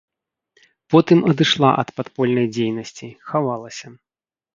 Потым адышла ад падпольнай дзейнасці, хавалася.